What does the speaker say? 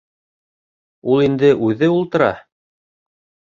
Ул инде үҙе ултыра.